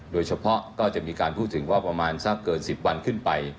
โดยเฉพาะก็จะมีการพูดถึงว่าประมาณสักเกิน๑๐วันขึ้นไป